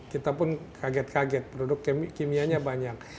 kita pun kaget kaget produk kimianya banyak